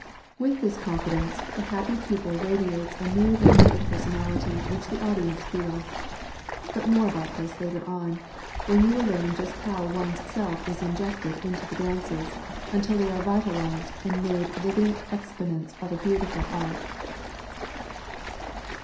With this confidence the happy pupil radiates a new magnetic personality which the audience feels. But more about this later on, when you will learn just how one's self is injected into the dances until they are vitalized and made living exponents of a beautiful art.